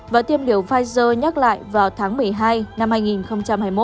và tiêm điều pfizer nhắc lại vào tháng một mươi hai năm hai nghìn hai mươi một